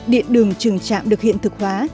điện đường trường trạm được hiện thực hóa